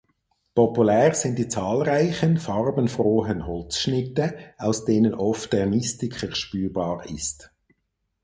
Populär sind die zahlreichen, farbenfrohen Holzschnitte, aus denen oft der Mystiker spürbar ist.